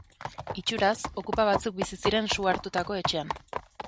Itxuraz, okupa batzuk bizi ziren su hartutako etxean.